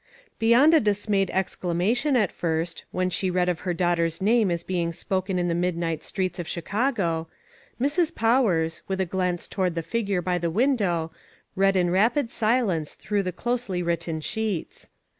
BEYOND a dismayed exclamation at first, when she read of her daughter's name as being spoken in the midnight streets of Chicago, Mrs. Powers, with a glance to ward the figure by the window, read in rapid silence through the closely written sheets.